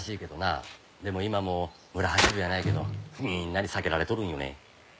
でも今も村八分やないけどみんなに避けられとるんよね。